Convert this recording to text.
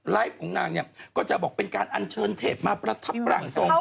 ของนางเนี่ยก็จะบอกเป็นการอัญเชิญเทพมาประทับร่างทรง